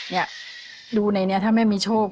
เนี่ยดูในนี้ถ้าไม่มีโชค